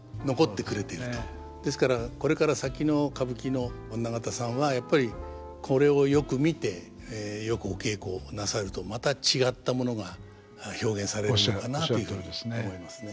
ですからこれから先の歌舞伎の女方さんはやっぱりこれをよく見てよくお稽古をなさるとまた違ったものが表現されるのかなというふうに思いますね。